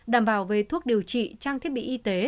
đảm bảo về thuốc điều trị trang thiết bị y tế